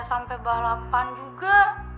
sampai balapan juga